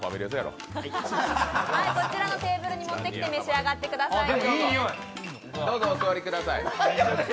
こちらのテーブルに持ってきて召し上がってくださいね。